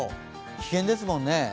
危険ですもんね。